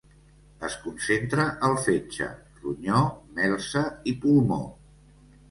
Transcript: Es concentra al fetge, ronyó, melsa i pulmó.